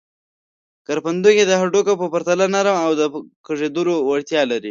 کرپندوکي د هډوکو په پرتله نرم او د کږېدلو وړتیا لري.